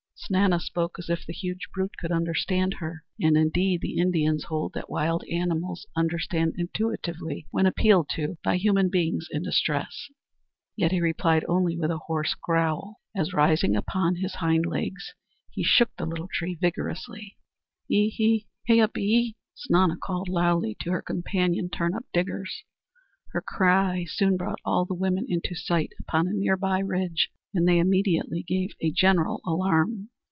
Snana spoke as if the huge brute could understand her, and, indeed, the Indians hold that wild animals understand intuitively when appealed to by human beings in distress. Yet he replied only with a hoarse growl, as rising upon his hind legs he shook the little tree vigorously. "Ye, ye, heyupi ye!" Snana called loudly to her companion turnip diggers. Her cry soon brought all the women into sight upon a near by ridge, and they immediately gave a general alarm.